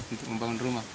untuk membangun rumah